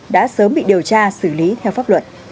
đã sớm bị điều tra xử lý theo pháp luật